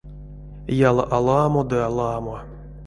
Яла аламо ды аламо.